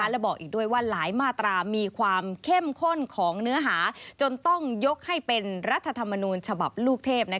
และบอกอีกด้วยว่าหลายมาตรามีความเข้มข้นของเนื้อหาจนต้องยกให้เป็นรัฐธรรมนูญฉบับลูกเทพ